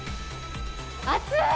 暑い！